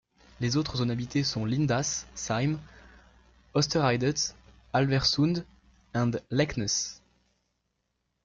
Les autres zones habitées sont Lindås, Seim, Ostereidet, Alversund and Leknes.